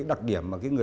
đặc điểm người bảo lâm